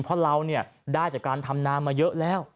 เพราะเราได้จากการทำนามาเยอะแล้ว